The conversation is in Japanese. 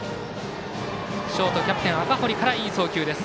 ショート、キャプテン赤堀からいい送球です。